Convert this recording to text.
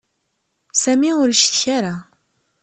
Sami ur icetka ara.